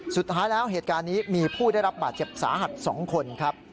สุดท้ายแล้วเหตุการณ์นี้มีผู้ได้รับบาดเจ็บสาหัส๒คนครับ